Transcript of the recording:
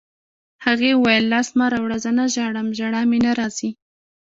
هغې وویل: لاس مه راوړه، زه نه ژاړم، ژړا مې نه راځي.